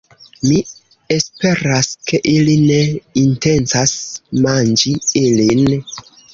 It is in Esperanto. Mi esperas, ke ili ne intencas manĝi ilin